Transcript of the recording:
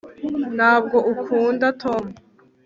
ntabwo ukunda tom